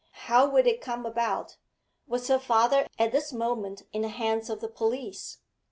How would it come about? Was her father at this moment in the hands of the police?